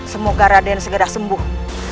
semoga raden segera sembuh